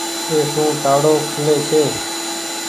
اي سون تآڙو کولي ڇي۔